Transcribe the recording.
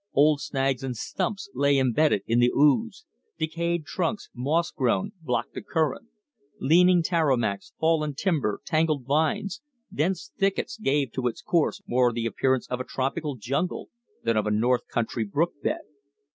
Old snags and stumps lay imbedded in the ooze; decayed trunks, moss grown, blocked the current; leaning tamaracks, fallen timber, tangled vines, dense thickets gave to its course more the appearance of a tropical jungle than of a north country brook bed.